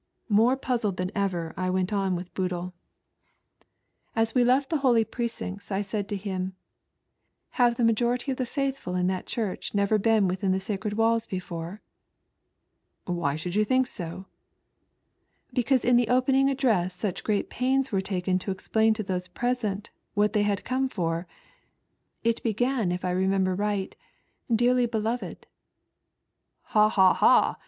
More puzzled than ever I went on with Boodle. ab ONLY 4 GHOST. As we left the holy precincts, I aaid to him, *'Have the majority of the faithful in that church never been within the sacred walls before ?"" Why should you think so ?"" Because in the opening address such great pains were taken to explain to those present what they had eome for. It began if I remember right, " Dearly beloved." " Ha ! ha ! ha !